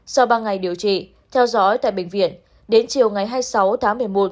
sau ba ngày điều trị theo dõi tại bệnh viện đến chiều ngày hai mươi sáu tháng một mươi một